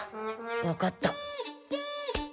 わかった。